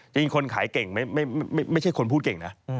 จริงคนขายเก่งไม่ใช่คนพูดเก่งนะ